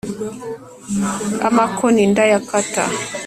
Amakoni ndayakata